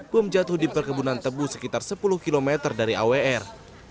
bom jatuh di perkebunan tebu sekitar sepuluh km dari awr